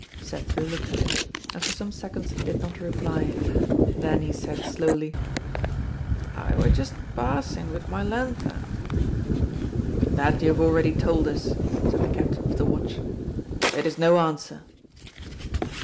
Cethru looked at him, and for some seconds did not reply; then he said slowly: "I were just passin' with my lanthorn." "That you have already told us," said the Captain of the Watch; "it is no answer."